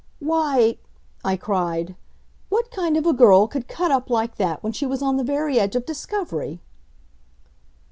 "Why," I cried, "what kind of a girl could cut up like that when she was on the very edge of discovery?"